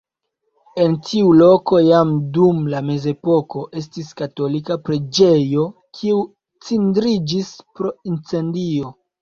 En tiu loko jam dum la mezepoko estis katolika preĝejo, kiu cindriĝis pro incendio.